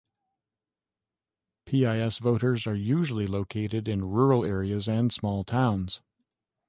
PiS voters are usually located in rural areas and small towns.